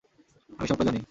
আমি সবটা জানি।